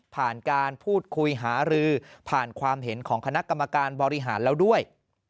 ผ่านการพูดคุยหารือผ่านความเห็นของคณะกรรมการบริหารแล้วด้วย